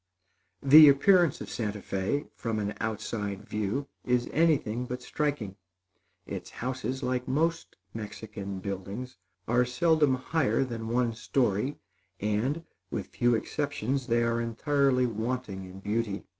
The appearance of Santa Fé, from an outside view, is anything but striking. Its houses, like most Mexican buildings, are seldom higher than one story, and, with few exceptions, they are entirely wanting in beauty.